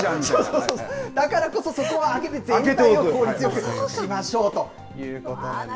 そうそうそう、だからそこは空けて、全体を効率よくしましょうということなんです。